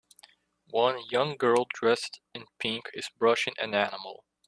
One young girl dressed in pink is brushing an animal.